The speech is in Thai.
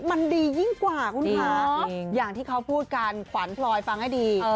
มันดียิ่งกว่าคุณคะอย่างที่เขาพูดกันขวัญพลอยฟังให้ดี